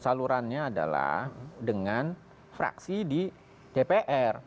salurannya adalah dengan fraksi di dpr